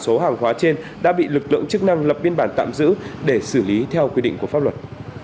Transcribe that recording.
số hàng hóa trên đã bị lực lượng chức năng lập biên bản tạm giữ để xử lý theo quy định của pháp luật